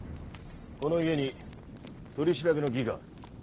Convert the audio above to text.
この家に取り調べの儀がある。